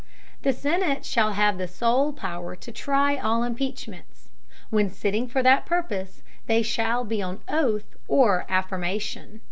The Senate shall have the sole Power to try all Impeachments. When sitting for that Purpose, they shall be on Oath or Affirmation.